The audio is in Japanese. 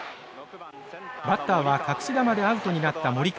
バッターは隠し球でアウトになった森川。